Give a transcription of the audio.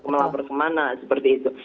melapor kemana seperti itu